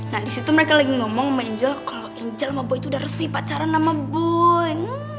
nah disitu mereka lagi ngomong sama angel kalo angel sama boy udah resmi pacaran sama boy